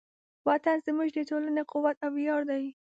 وطن زموږ د ټولنې قوت او ویاړ دی.